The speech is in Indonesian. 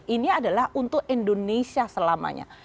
ini adalah untuk indonesia selamanya